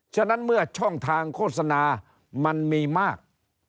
ฉะนั้นเมื่อช่องทางโฆษณามันมีมาก